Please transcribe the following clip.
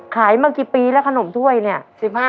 มากี่ปีแล้วขนมถ้วยเนี่ย